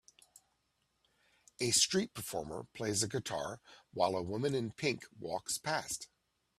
A street performer plays a guitar while a woman in pink walks past